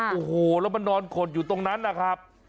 โอ้โหแล้วมันนอนขดอยู่ตรงนั้นนะครับ